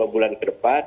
dua bulan ke depan